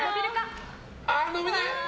伸びない！